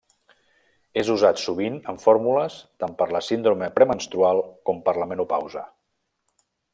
És usat sovint en fórmules tant per la síndrome premenstrual com per la menopausa.